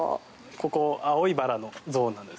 ここ青いバラのゾーンなんです。